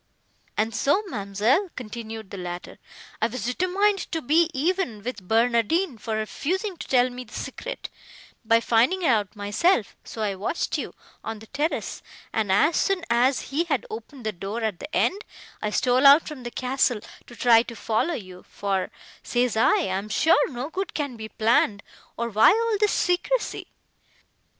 "And so, ma'amselle," continued the latter, "I was determined to be even with Barnardine for refusing to tell me the secret, by finding it out myself; so I watched you, on the terrace, and, as soon as he had opened the door at the end, I stole out from the castle, to try to follow you; for, says I, I am sure no good can be planned, or why all this secrecy?